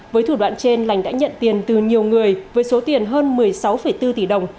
với thủ đoạn trên lành đã nhận tiền từ nhiều người với số tiền hơn một mươi sáu bốn tỷ đồng